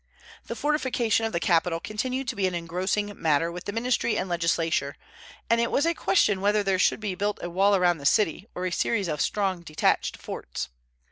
The fortification of the capital continued to be an engrossing matter with the ministry and legislature, and it was a question whether there should be built a wall around the city, or a series of strong detached forts.